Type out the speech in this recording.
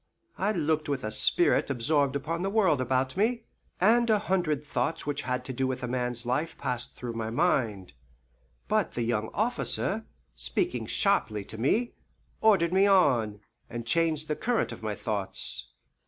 I looked with a spirit absorbed upon the world about me, and a hundred thoughts which had to do with man's life passed through my mind. But the young officer, speaking sharply to me, ordered me on, and changed the current of my thoughts.